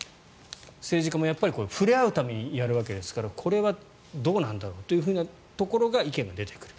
政治家も触れ合うためにやるわけですからこれはどうなんだろうというところの意見が出てくる。